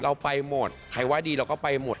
เราไปหมดใครว่าดีเราก็ไปหมด